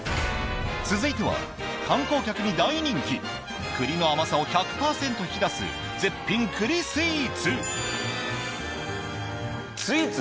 続いては観光客に大人気栗の甘さを１００％引き出す絶品栗スイーツスイーツ？